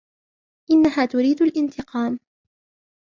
إنها تُريد الإنتقام.